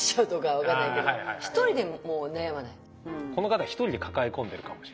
この方一人で抱え込んでるかもしれない。